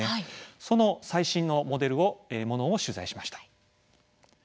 その最新のモデルのものを取材してきました。